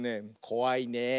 こわいねえ。